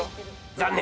残念。